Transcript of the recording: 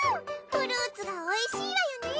フルーツがおいしいわよね。